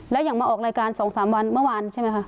แล้วอย่างมาออกรายการ๒๓วันเมื่อวานใช่ไหมคะ